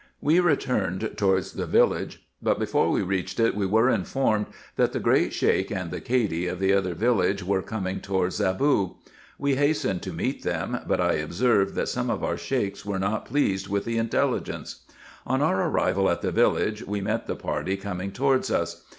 We returned towards the village, but before we reached it, we were informed that the Great Sheik and the Cady of the other village were coming towards Zaboo. We hastened to meet them, but I observed that some of our Sheiks were not pleased with the intelligence. On our arrival at the village, we met the party coming towards us.